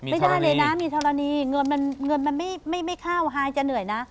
ไม่ได้เลยนะมีธรณีเงินมันไม่เข้าไฮจะเหนื่อยนะ